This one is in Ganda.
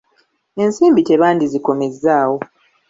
Ensimbi tebandizikomezzaawo.